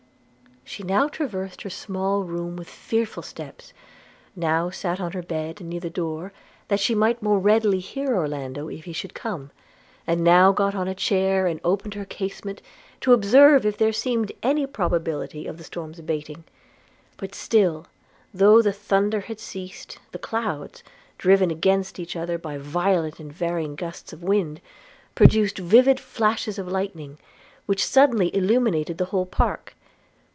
She now traversed her small room with fearful steps; now sat down on her bed, near the door, that she might the more readily hear Orlando if he should come; and now got on a chair, and opened her casement to observe if there seemed any probability of the storm's abating: but still, though the thunder had ceased, the clouds, driven against each other by violent and varying gusts of wind, produced vivid flashes of lightning, which suddenly illuminated the whole park.